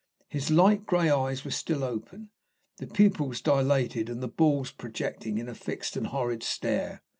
His light grey eyes were still open, the pupils dilated and the balls projecting in a fixed and horrid stare.